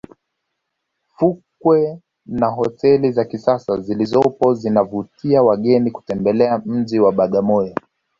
fukwe na hoteli za kisasa zilizopo zinavutia wageni kutembelea mji wa bagamoyo